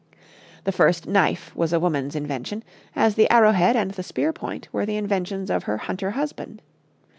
The first knife was a woman's invention, as the arrow head and the spear point were the inventions of her hunter husband.